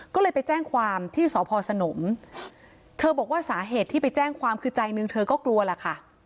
ก็เลยไปแจ้งความที่สพสนมเธอบอกว่าสาเหตุที่ไปแจ้งความคือใจหนึ่งเธอก็กลัวล่ะค่ะ